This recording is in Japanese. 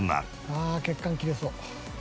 「ああ血管切れそう」